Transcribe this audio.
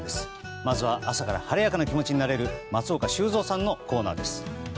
まずは朝から晴れやかな気持ちになれる松岡修造さんのコーナーです。